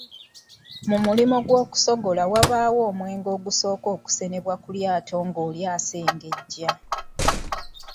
Mu mulimu gw’okusogola wabaawo omwenge ogusooka okusenebwa ku lyato ng’oli asengejja.